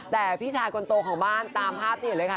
แต่พี่ชายคนโตของบ้านตามภาพที่เห็นเลยค่ะ